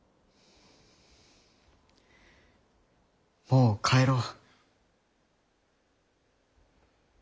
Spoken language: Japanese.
もう帰ろう。